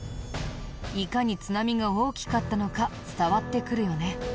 いかに津波が大きかったのか伝わってくるよね。